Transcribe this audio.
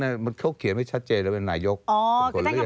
ไอ้เลือกตั้งเนี่ยเขาเขียนไม่ชัดเจนว่าเป็นนายกเป็นคนเลือก